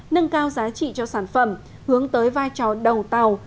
nâng cao giá trị cho sản phẩm hướng tới vai trò đầu tàu